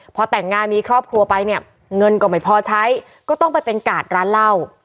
พอแต่งงานมีครอบครัวไปเนี่ยเงินก็ไม่พอใช้ก็ต้องไปเป็นกาดร้านเหล้า